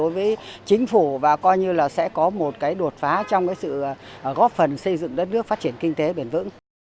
với chính phủ và coi như là sẽ có một đột phá trong sự góp phần xây dựng đất nước phát triển kinh tế bền vững